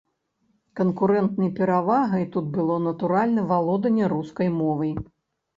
Канкурэнтнай перавагай тут было, натуральна, валоданне рускай мовай.